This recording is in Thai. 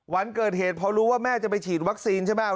วันเกิดเหตุพอรู้ว่าแม่จะไปฉีดวัคซีนใช่ไหม